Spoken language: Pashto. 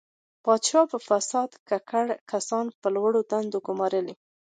پاچا په فساد ککړ کسان په لوړو دندو ګماري.